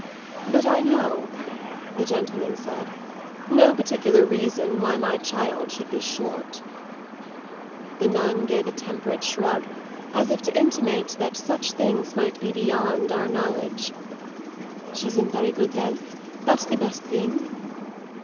But I know," the gentleman said, "no particular reason why my child should be short." The nun gave a temperate shrug, as if to intimate that such things might be beyond our knowledge. "She's in very good health; that's the best thing."